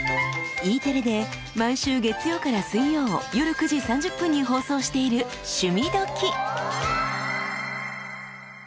Ｅテレで毎週月曜から水曜夜９時３０分に放送している「趣味どきっ！」。